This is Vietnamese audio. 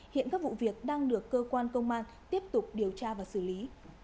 hiện các vụ việc đang được cơ quan công an tiếp tục điều tra và xử lý